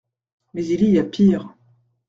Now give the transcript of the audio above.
Mais il y a pire.